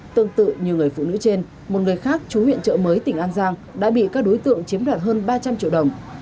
tương tự như người phụ nữ trên một người khác chú huyện trợ mới tỉnh an giang đã bị các đối tượng chiếm đoạt hơn ba trăm linh triệu đồng